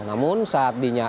namun saat berhenti